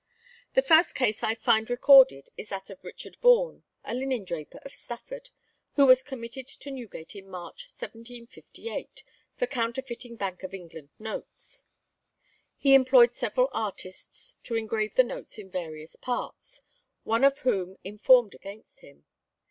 The first case I find recorded is that of Richard Vaughan, a linen draper of Stafford, who was committed to Newgate in March, 1758, for counterfeiting Bank of England notes. He employed several artists to engrave the notes in various parts, one of whom informed against him.